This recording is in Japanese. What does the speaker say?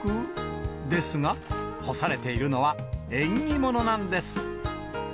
ですが、干されているのは、縁起物なんです。